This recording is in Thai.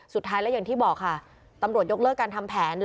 สุดท้ายแล้วอย่างที่บอกค่ะตำรวจยกเลิกการทำแผน